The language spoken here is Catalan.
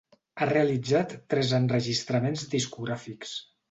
Ha realitzat tres enregistraments discogràfics.